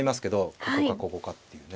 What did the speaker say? ここかここかっていうね。